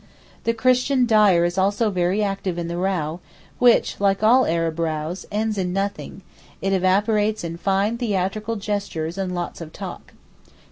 The Christian dyer is also very active in the row, which, like all Arab rows, ends in nothing; it evaporates in fine theatrical gestures and lots of talk.